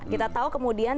kita tahu kemudian